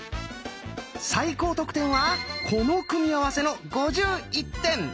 最高得点はこの組み合わせの５１点。